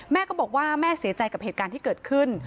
แม่ก็บอกว่าแม่เสียใจกับเหตุการณ์ที่เกิดขึ้น